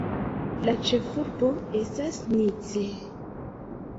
La ĉefurbo estas Nice.